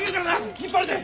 引っ張るで！